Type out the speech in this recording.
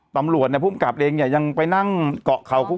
ตำรวจผู้กับเองยังไปนั่งเกาะเขา